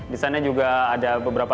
di sana juga ada beberapa